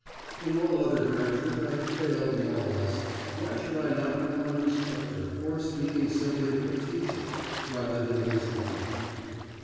'In all other directions I had failed more or less... why should I not become an instructor, or speaking simply a teacher... rather than waste my life?